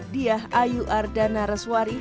dia ayu ardana reswari